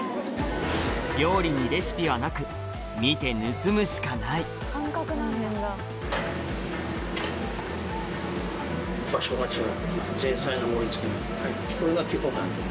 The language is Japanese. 料理にレシピはなく見て盗むしかないこれが基本なんで。